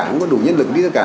không có đủ nhất lực đi tất cả